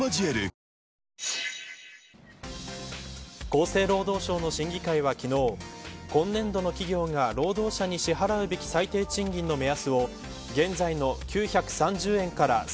厚生労働省の審議会は昨日今年度の企業が労働者に支払うべき最低賃金の目安を現在の９３０円から。